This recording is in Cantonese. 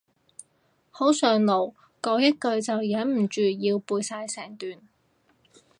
好上腦，講一句就忍唔住要背晒成段